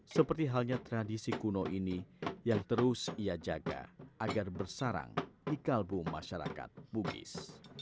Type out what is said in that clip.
seperti halnya tradisi kuno ini yang terus ia jaga agar bersarang di kalbum masyarakat bugis